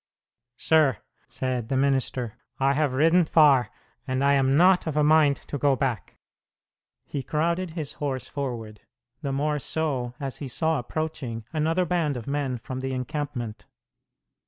"Sir," said the minister, "I have ridden far, and I am not of a mind to go back." He crowded his horse forward, the more so as he saw approaching another band of men from the encampment.